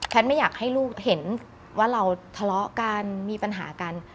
ไม่อยากให้ลูกเห็นว่าเราทะเลาะกันมีปัญหากัน